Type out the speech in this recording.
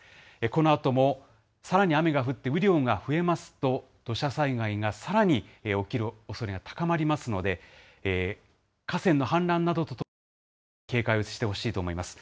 このあとも、さらに雨が降って雨量が増えますと、土砂災害がさらに起きるおそれが高まりますので、河川の氾濫などとともに、警戒をしてほしいと思います。